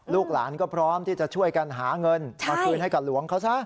ลูกหลานก็พร้อมที่จะช่วยกันหาเงินมาคืนให้กับหลวงเขาซะ